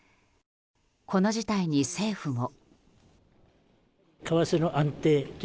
この事態に政府も。